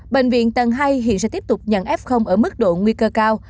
bệnh viện tầng hai hiện sẽ tiếp tục nhận f ở mức độ nguy cơ cao